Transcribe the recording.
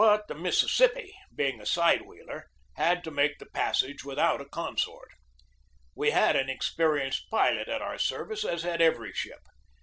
But the Mississippi, being a side wheeler, had to make the passage with out a consort. We had an experienced pilot at our service, as had every ship.